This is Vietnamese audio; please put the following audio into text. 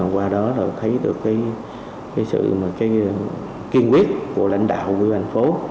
qua đó là thấy được cái sự kiên quyết của lãnh đạo của vị bang phố